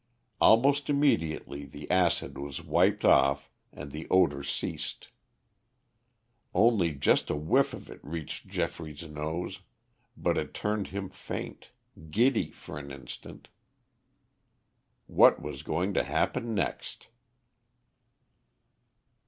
Almost immediately the acid was wiped off and the odor ceased. Only just a whiff of it reached Geoffrey's nose, but it turned him faint giddy for an instant. What was going to happen next?